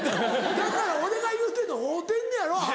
だから俺が言うてんの合うてんねやろ？